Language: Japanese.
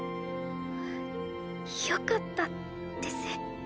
あっよかったです